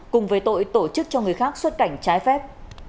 cùng với tội tổ chức cho người khác xuất cảnh trái phép